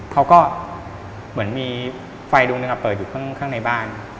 เขาก็เหมือนมีไฟดวงหนึ่งเปิดอยู่ข้างในบ้าน